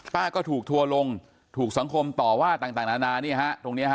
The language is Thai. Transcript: ก็ถูกทัวร์ลงถูกสังคมต่อว่าต่างนานานี่ฮะตรงนี้ฮะ